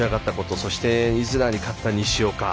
そしてイズナーに勝った西岡。